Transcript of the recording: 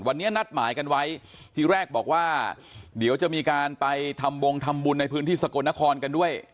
วันนี้นัดหมายกันไว้ทีแรกบอกว่าเดี๋ยวจะมีการไปทำบงทำบุญในพื้นที่สกลนครกันด้วย